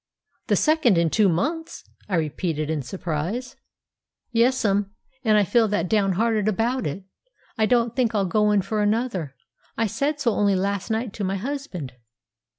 "The second in two months!" I repeated in surprise. "Yes'm, and I feel that downhearted about it, I don't think I'll go in for another. I said so only last night to my husband."